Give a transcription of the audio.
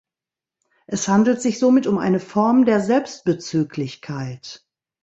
Es handelt sich somit um eine Form der Selbstbezüglichkeit.